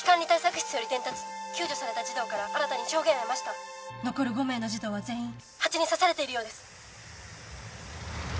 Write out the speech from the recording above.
室より伝達救助された児童から新たに証言を得ました残る５名の児童は全員ハチに刺されているようです